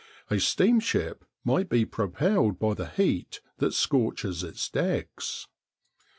A steamship might be propelled by the heat that scorches its decks.